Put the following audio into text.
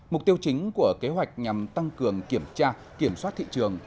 mục tiêu chính của kế hoạch nhằm tăng cường kiểm tra kiểm soát thị trường